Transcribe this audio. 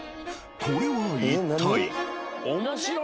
これは一体。